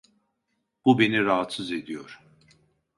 Bu beni rahatsız ediyor.